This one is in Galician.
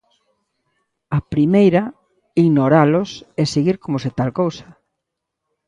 A primeira, ignoralos e seguir coma se tal cousa.